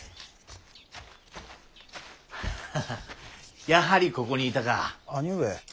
ハハッやはりここにいたか。